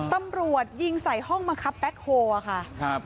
ตำรวจยิงใส่ห้องมาขับแบ็คโคลอะค่ะ